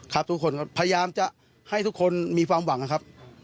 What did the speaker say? ทุกคนครับพยายามจะให้ทุกคนมีความหวังนะครับ